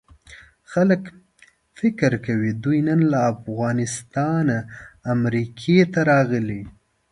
خلک فکر کوي دوی نن له افغانستانه امریکې ته راغلي.